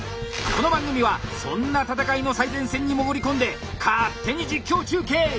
この番組はそんな戦いの最前線に潜り込んで勝手に実況中継！